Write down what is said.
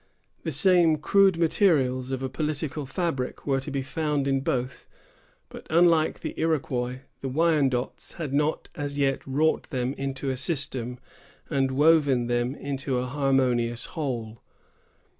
The same crude materials of a political fabric were to be found in both; but, unlike the Iroquois, the Wyandots had not as yet wrought them into a system, and woven them into a harmonious whole.